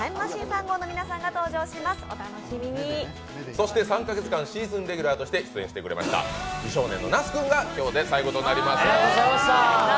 そして３か月間、シーズンレギュラーとして参加してくれました美少年の那須君が今日で最後となりました。